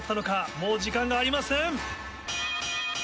もう時間がありません。